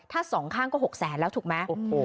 ถ้าสองข้างก็๖แสนแล้วถูกไหม